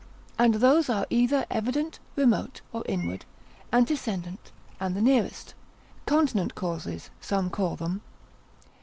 And those are either evident, remote, or inward, antecedent, and the nearest: continent causes some call them.